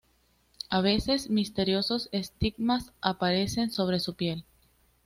A veces misteriosos estigmas aparecen sobre su piel.